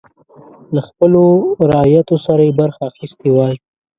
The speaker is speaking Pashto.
له خپلو رعیتو سره یې برخه اخیستې وای.